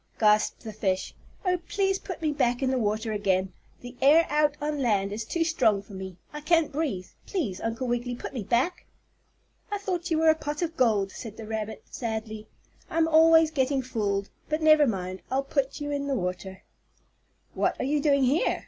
gasped the fish. "Oh, please put me back in the water again. The air out on land is too strong for me. I can't breathe. Please, Uncle Wiggily, put me back." "I thought you were a pot of gold," said the rabbit, sadly. "I'm always getting fooled. But never mind. I'll put you in the water." "What are you doing here?"